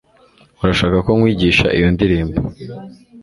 urashaka ko nkwigisha iyo ndirimbo